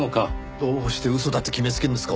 どうして嘘だって決めつけるんですか。